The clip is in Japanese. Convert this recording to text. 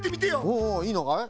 おおいいのかい？